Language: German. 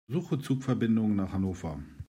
Suche Zugverbindungen nach Hannover.